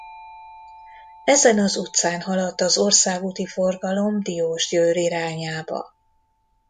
Ezen az utcán haladt az országúti forgalom Diósgyőr irányába.